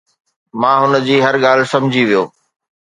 مان هن جي هر ڳالهه سمجهي ويو